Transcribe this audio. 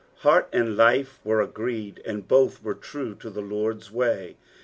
Heart and lite were ^ced, and both were true to the Ix>rd's way.